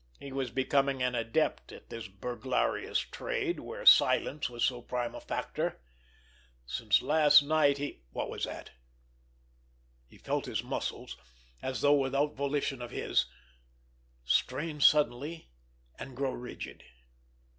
He was becoming an adept at this burglarious trade where silence was so prime a factor. Since last night he—— What was that? He felt his muscles, as though without volition of his, strain suddenly and grow rigid.